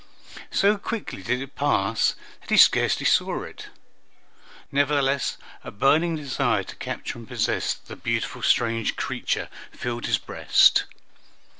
So quickly did it pass that he scarcely saw it; nevertheless, a burning desire to capture and possess the beautiful strange creature filled his breast.